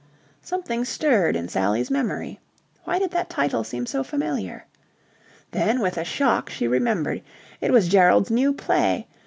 Something stirred in Sally's memory. Why did that title seem so familiar? Then, with a shock, she remembered. It was Gerald's new play.